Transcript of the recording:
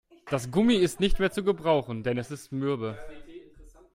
Das Gummi ist nicht mehr zu gebrauchen, denn es ist mürbe.